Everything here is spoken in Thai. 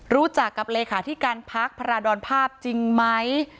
รู้จักกับเลขาธิการพักพระราดรภาพจริงไหม